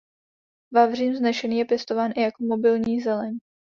Vavřín vznešený je pěstován i jako mobilní zeleň.